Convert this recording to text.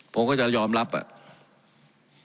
ผมก็จะยอมรับอ่ะ